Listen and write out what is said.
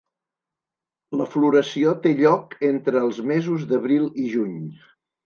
La floració té lloc entre els mesos d'abril i juny.